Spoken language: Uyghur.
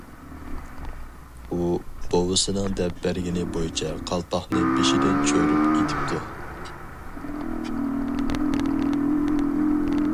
ئۇ بوۋىسىنىڭ دەپ بەرگىنى بويىچە قالپاقنى بېشىدىن چۆرۈپ ئېتىپتۇ.